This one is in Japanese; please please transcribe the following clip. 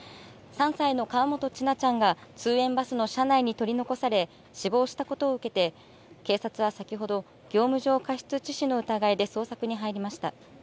３歳の河本千奈ちゃんが通園バスの車内に取り残され死亡したことを受けて警察は先ほど業務上過失致死の疑いで捜索に入りました。